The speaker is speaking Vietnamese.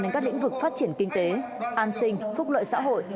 đến các lĩnh vực phát triển kinh tế an sinh phúc lợi xã hội